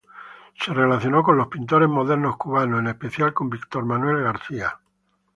Se relacionó con los pintores modernos cubanos, en especial con Víctor Manuel García.